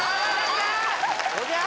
・おじゃす！